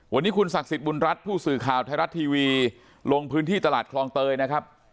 วันนี้คุณศักดิ์สิทธิบุญรัฐผู้สื่อข่าวไทยรัฐทีวีลงพื้นที่ตลาดคลองเตยนะครับ